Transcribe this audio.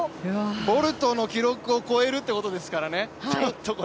ボルトの記録を超えるということですからね。